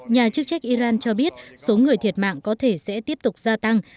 nhà chức trách iran cho biết số người thiệt mạng có thể sẽ tiếp tục gia tăng